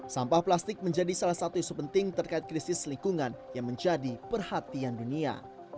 sampah plastik menjadi salah satu isu penting terkait krisis lingkungan yang menjadi perhatian dunia